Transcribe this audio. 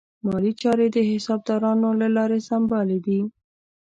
مالي چارې د حسابدارانو له لارې سمبالې دي.